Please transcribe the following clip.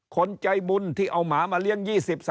คนใจบุญที่เอาหมามาเลี้ยง๒๐